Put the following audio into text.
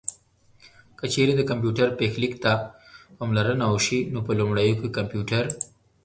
که چېرې د کمپيوټر پيښليک ته پاملرنه وشي نو په لومړيو کې کمپيوټر